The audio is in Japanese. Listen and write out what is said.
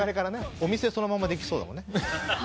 お店そのままできそうだもんね。